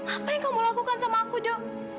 apa yang kamu lakukan sama aku jo